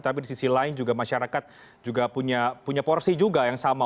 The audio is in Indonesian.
tapi di sisi lain juga masyarakat juga punya porsi juga yang sama